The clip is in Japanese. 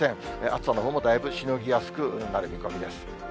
暑さのほうもだいぶしのぎやすくなる見込みです。